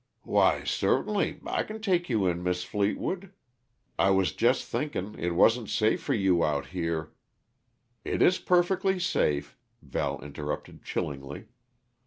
"Why, certainly, I c'n take you in, Mis' Fleetwood. I was jest thinkn' it wa'n't safe for you out here " "It is perfectly safe," Val interrupted chillingly.